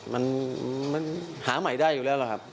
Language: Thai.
มันหาใหม่ได้อยู่แล้วล่ะครับ